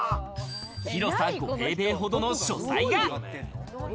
広さ５平米ほどの書斎が。